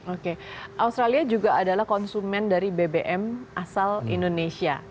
oke australia juga adalah konsumen dari bbm asal indonesia